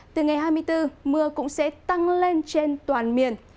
từ ngày hai mươi bốn mưa cũng sẽ tăng lên trên toàn miền